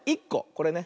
これね。